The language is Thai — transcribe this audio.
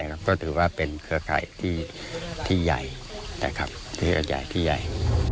ก็ถือว่าเป็นเครือข่ายที่ใหญ่